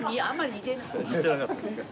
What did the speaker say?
似てなかったですか。